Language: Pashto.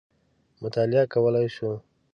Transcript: مطالعه کولای شو.